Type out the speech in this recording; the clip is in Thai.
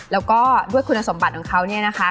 แล้วก็ด้วยคุณสมบัติของเขาเนี่ยนะคะ